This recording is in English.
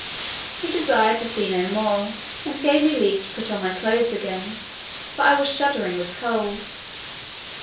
He desired to see no more; and gave me leave to put on my clothes again, for I was shuddering with cold.